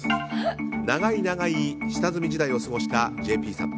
長い長い下積み時代を過ごしたＪＰさん。